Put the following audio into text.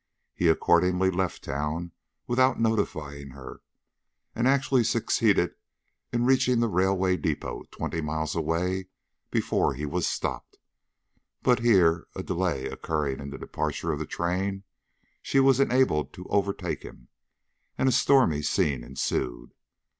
He accordingly left town without notifying her, and actually succeeded in reaching the railway depot twenty miles away before he was stopped. But here, a delay occurring in the departure of the train, she was enabled to overtake him, and a stormy scene ensued.